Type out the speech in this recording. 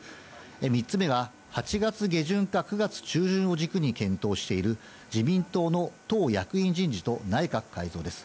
３つ目が、８月下旬か９月中旬を軸に検討している自民党の党役員人事と内閣改造です。